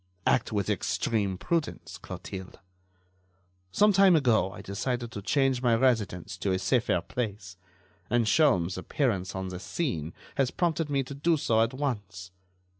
"Act with extreme prudence, Clotilde. Some time ago I decided to change my residence to a safer place, and Sholmes' appearance on the scene has prompted me to do so at once.